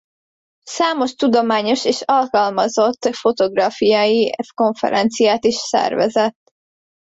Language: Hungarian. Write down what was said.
Számos tudományos és alkalmazott fotográfiai konferenciát is szervezett.